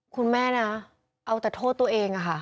คุณแม่นะเอาแต่โทษตัวเองอะค่ะ